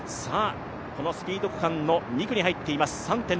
このスピード区間の２区に入っています、３．６ｋｍ。